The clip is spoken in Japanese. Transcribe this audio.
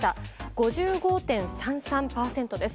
５５．３３％です。